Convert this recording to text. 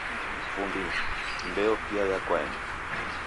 Vumbi, Mbeo pia yekwaeni